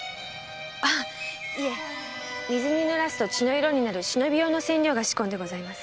あいえ水に濡らすと血の色になる忍び用の染料が仕込んでございます。